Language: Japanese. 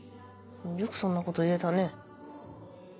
よくそんなこと言えたね。